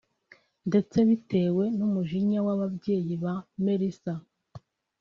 ndetse bitewe n’umujinya w’ababyeyi ba Melissa